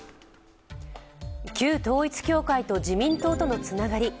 旧統一教会と自民党とのつながり。